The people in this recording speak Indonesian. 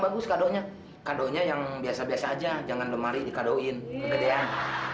bagus kado nya kado nya yang biasa biasa aja jangan lemari dikadoin kegedean yang